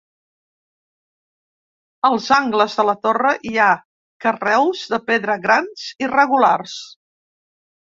Als angles de la torre hi ha carreus de pedra grans i regulars.